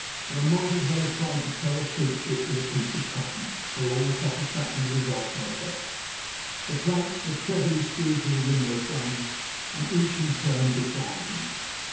But I might as well have tried to tow a troopship with a piece of cotton, for all the satisfactory result I got; the planks were trebly screwed to the window frame, and each in turn defied me.